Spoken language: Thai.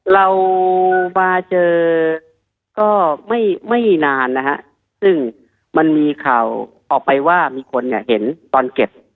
เรามาเจอก็ไม่ไม่นานนะฮะซึ่งมันมีข่าวออกไปว่ามีคนเนี่ยเห็นตอนเก็บ